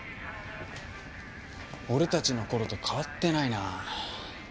俺たちの頃と変わってないな。